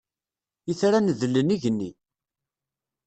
Itran dlen igenni.